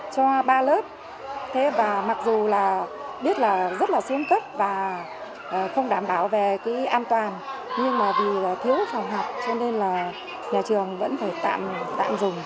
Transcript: cho ba lớp mặc dù biết là rất là xuống cấp và không đảm bảo về an toàn nhưng vì thiếu phòng học cho nên là nhà trường vẫn phải tạm dùng